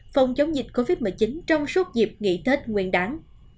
phòng chống dịch covid một mươi chín trong suốt dịp nghị thết nguyên đán